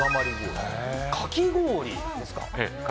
かき氷ですか？